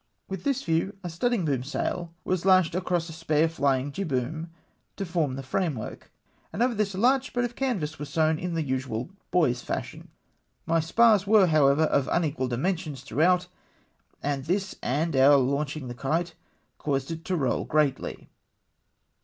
With this view a studdingsailboom was lashed across a spare flying jibboom to form the framework, and over this a large spread of canvass was scAvn in the usual boy's fashion. My spars were, however, of unequal dimensions through out, and this and our launching the kite caused it to roll greatly.